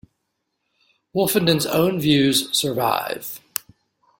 Wolfenden's own views survive.